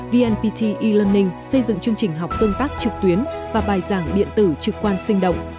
vnpt e learning xây dựng chương trình học tương tác trực tuyến và bài giảng điện tử trực quan sinh động